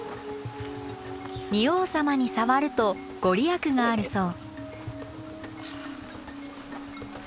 仁王様に触ると御利益があるそう。